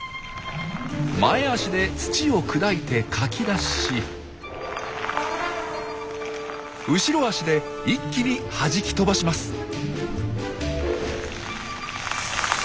前足で土を砕いてかき出し後ろ足で一気にはじき飛ばします。